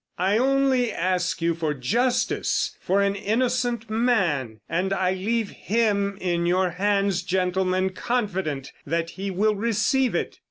I only ask you for justice for an innocent man, and I leave him in your hands, gentlemen, confident that he will receive it."